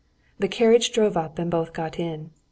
The carriage drove up and both got in.